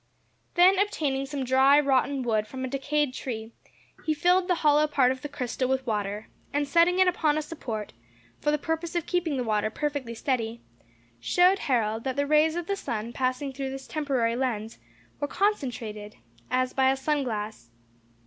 Then obtaining some dry, rotten wood from a decayed tree, he filled the hollow part of the crystal with water, and setting it upon a support, for the purpose of keeping the water perfectly steady, showed Harold that the rays of the sun passing through this temporary lens, were concentrated as by a sun glass.